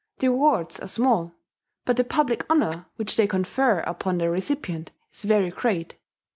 The rewards are small; but the public honour which they confer upon the recipient is very great.